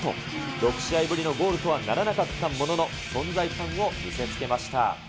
６試合ぶりのゴールとはならなかったものの、存在感を見せつけました。